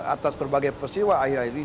atas berbagai persiwa akhir akhir ini